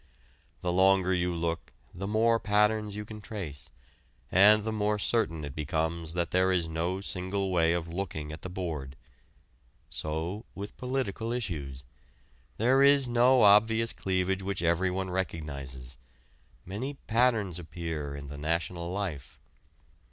The longer you look the more patterns you can trace, and the more certain it becomes that there is no single way of looking at the board. So with political issues. There is no obvious cleavage which everyone recognizes. Many patterns appear in the national life.